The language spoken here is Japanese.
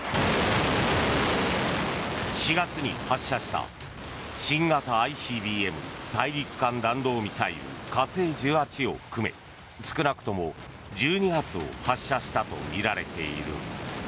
４月に発射した新型ＩＣＢＭ・大陸間弾道ミサイル火星１８を含め少なくとも１２発を発射したとみられている。